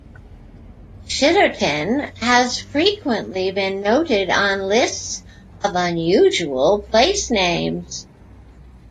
Shitterton has frequently been noted on lists of unusual place names.